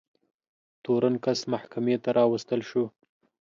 تورن کس محکمې ته راوستل شو.